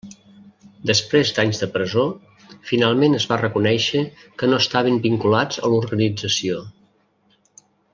Després d'anys de presó, finalment es va reconèixer que no estaven vinculats a l'organització.